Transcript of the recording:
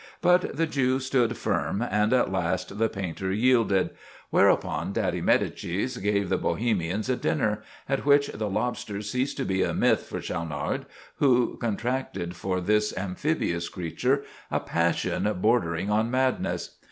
But the Jew stood firm, and at last the painter yielded; whereupon Daddy Médicis gave the Bohemians a dinner, at which "the lobster ceased to be a myth for Schaunard, who contracted for this amphibious creature a passion bordering on madness."